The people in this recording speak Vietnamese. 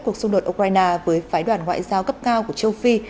cuộc xung đột ukraine với phái đoàn ngoại giao cấp cao của châu phi